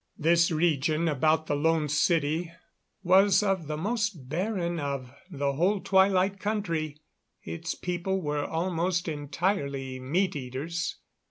This region about the Lone City was of the most barren of the whole Twilight country. Its people were almost entirely meat eaters.